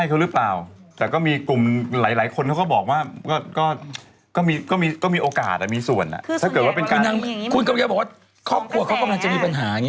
คุณเขียวบอกว่าคอปครัวเขากำลังจะมีปัญหากัน